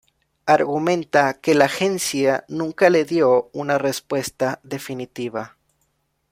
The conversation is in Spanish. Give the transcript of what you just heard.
Argumenta que la agencia nunca le dio una respuesta definitiva.